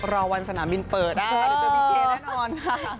รอวันสนามบินเปิดนะคะเดี๋ยวเจอพี่เกแน่นอนค่ะ